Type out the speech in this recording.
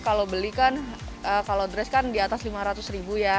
kalau beli kan kalau dress kan di atas lima ratus ribu ya